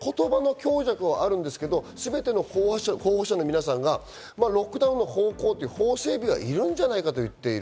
言葉の強弱はあるんですけど、すべての候補者の皆さんがロックダウンの方向、法整備がいるんじゃないかと言っている。